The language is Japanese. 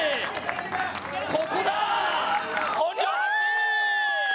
ここだ！